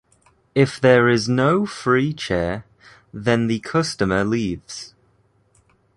If there is no free chair, then the customer leaves.